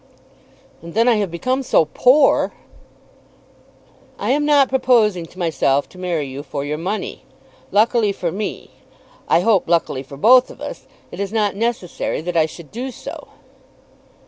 "And then I have become so poor!" "I am not proposing to myself to marry you for your money. Luckily for me, I hope luckily for both of us, it is not necessary that I should do so."